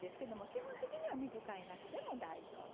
基本的には水替えなしでも大丈夫です。